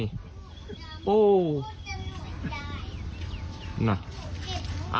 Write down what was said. อยู่ไหม